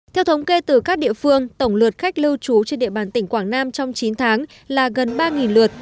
theo thống kê từ các địa phương tổng lượt khách lưu trú trên địa bàn tỉnh quảng nam trong chín tháng là gần ba lượt